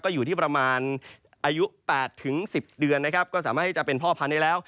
อยู่ที่ประมาณอายุ๘๑๐เดือนนะครับก็สามารถที่จะเป็นพ่อพันธุ์ได้แล้ว